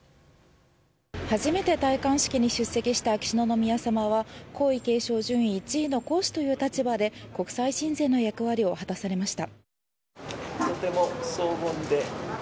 初めて戴冠に出席した秋篠宮さまは皇位継承順位１位の皇嗣という立場で国際親善で役割を果たされました。